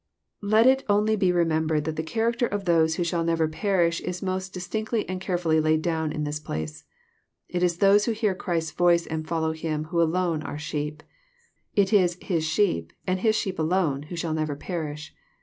Let it only be remembered that the character of those who shall never perish is most distinctly and carefully laid down in this place. It is those who hear Christ's voice and follow Him, who alone are *' sheep :" it is His sheep," and His sheep alone, who shall never perish.